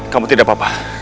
kamu tidak apa apa